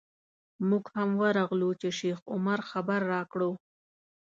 موږ هم ورغلو چې شیخ عمر خبر راکړو.